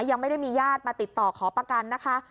ยังไม่ได้มีญาติมาติดต่อขอประกันนะคะ